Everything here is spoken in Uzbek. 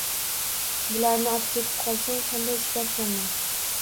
Bularni opketib qolsang… qanday chidarkanman?